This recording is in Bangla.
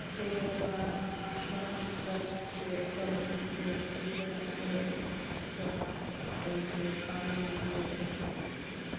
এ বছর আমার সংযুক্ততা থাকবে চলচ্চিত্রের চিত্রনাট্য এবং মঞ্চনাটকের পাণ্ডুলিপি রচনায়ও।